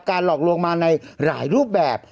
หลอกลวงมาในหลายรูปแบบ